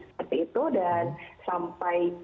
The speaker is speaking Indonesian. seperti itu dan sampai